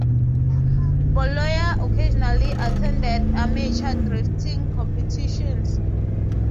Bollea occasionally attended amateur drifting competitions.